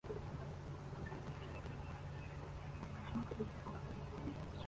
Sitade yumuntu uhagaze imbere yerekana amazi arasa imigezi myinshi hejuru mukirere